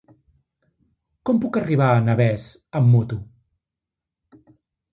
Com puc arribar a Navès amb moto?